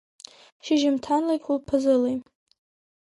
Шьыжьымҭанлеи хәылԥазылеи…